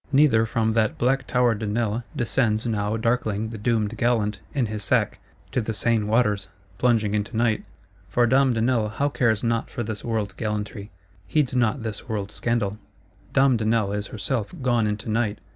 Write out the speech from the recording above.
Neither from that black Tower de Nesle descends now darkling the doomed gallant, in his sack, to the Seine waters; plunging into Night: for Dame de Nesle now cares not for this world's gallantry, heeds not this world's scandal; Dame de Nesle is herself gone into Night.